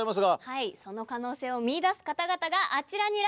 はいその可能性を見いだす方々があちらにいらっしゃいます。